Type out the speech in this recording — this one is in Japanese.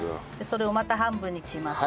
それをまた半分に切ります。